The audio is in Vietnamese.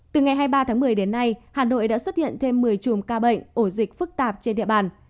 từ ngày hai mươi ba tháng một mươi đến nay hà nội đã xuất hiện thêm một mươi chùm ca bệnh ổ dịch phức tạp trên địa bàn